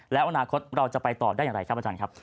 แล้วอนาคตเราจะไปต่อได้อย่างไรครับอาจารย์ครับ